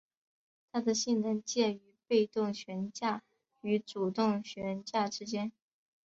它的性能介于被动悬架与主动悬架之间。